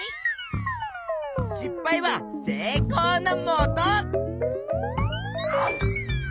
失敗は成功のもと！